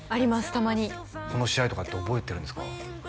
たまにこの試合とかって覚えてるんですか？